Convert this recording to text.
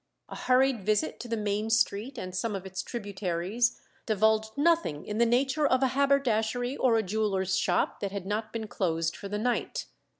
A hurried visit to the main street and some of its tributaries divulged nothing in the nature of a haberdashery or a jeweler's shop that had not been closed for the night.